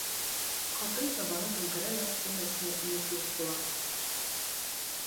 Ҡатын табаны түңкәрә лә стена эсенә инеп юҡ була.